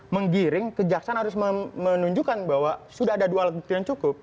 menggiring kejaksaan harus menunjukkan bahwa sudah ada dua alat bukti yang cukup